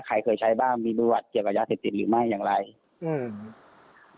ใครเคยใช้บ้างมีประวัติเกี่ยวกับยาเสพติดหรือไม่อย่างไรอืม